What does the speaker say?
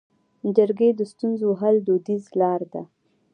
جرګې د ستونزو د حل دودیزه لاره ده